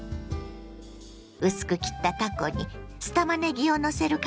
薄く切ったたこに酢たまねぎをのせるカルパッチョ。